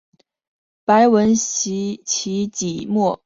白纹歧脊沫蝉为尖胸沫蝉科歧脊沫蝉属下的一个种。